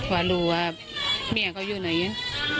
ว่ารู้ว่าเมียเขาอยู่ไหน